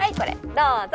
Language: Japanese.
どうぞ。